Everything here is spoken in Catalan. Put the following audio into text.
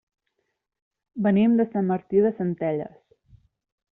Venim de Sant Martí de Centelles.